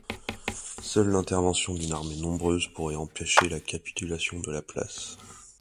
Seule l'intervention d'une armée nombreuse pourrait empêcher la capitulation de la place.